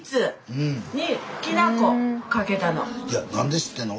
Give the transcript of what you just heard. いや何で知ってんの。